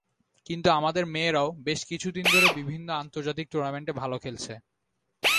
কিন্তু আমাদের মেয়েরাও বেশ কিছুদিন ধরে বিভিন্ন আন্তর্জাতিক টুর্নামেন্টে ভালো খেলছে।